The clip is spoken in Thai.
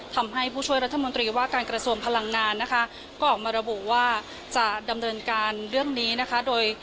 ทำให้ผู้ช่วยรัฐมนตรีว่าการกระทรวงพลังงานนะคะก็ออกมาระบุว่าจะดำเนินการเรื่องนี้นะคะโดย